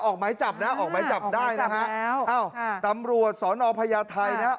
ออกหมายจับนะฮะออกหมายจับได้นะฮะอ้าวตำรวจสอนอพญาไทยนะฮะ